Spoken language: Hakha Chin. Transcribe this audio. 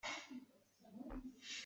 Lau hlah.